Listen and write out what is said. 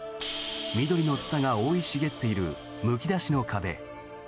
緑のツタが生い茂っているむき出しの壁。